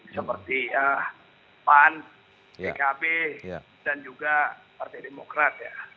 seperti pan pkb dan juga partai demokrat ya